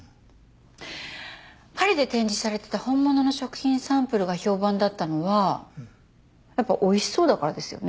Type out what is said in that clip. パリで展示されてた本物の食品サンプルが評判だったのはやっぱおいしそうだからですよね？